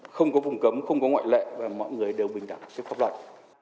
không có vùng cấm không có ngoại lệ và mọi người đều bình đẳng trước pháp luật